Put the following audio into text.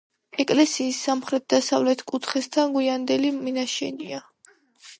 ეკლესიის სამხრეთ-დასავლეთ კუთხესთან გვიანდელი მინაშენია.